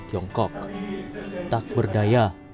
tiongkok tak berdaya